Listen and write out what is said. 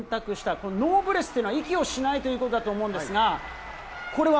このノーブレスというのは、息をしないということだと思うんですが、これは？